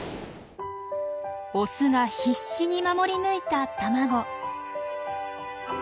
オスが必死に守り抜いた卵。